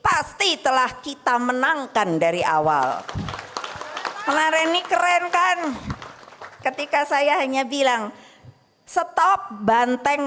pasti telah kita menangkan dari awal menarik keren kan ketika saya hanya bilang stop banteng